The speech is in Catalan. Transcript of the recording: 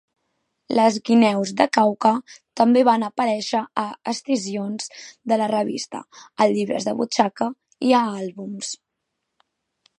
Les guineus de Kauka també van aparèixer a escissions de la revista, a llibres de butxaca i a àlbums.